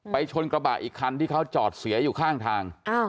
ชนกระบะอีกคันที่เขาจอดเสียอยู่ข้างทาง